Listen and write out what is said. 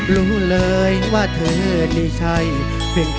ร้องเข้าให้เร็ว